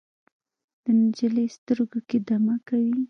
د نجلۍ سترګو کې دمه کوي